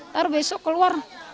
nanti besok keluar